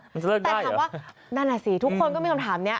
มันจะเลิกได้เหรอนั่นแหละสิทุกคนก็มีคำถามนี้